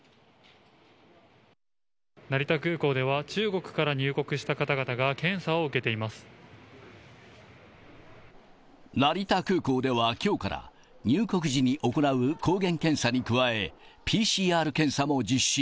成田空港では、中国から入国成田空港ではきょうから、入国時に行う抗原検査に加え、ＰＣＲ検査も実施。